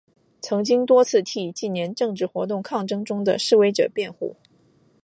曾经多次替近年政治活动抗争中的示威者辩护。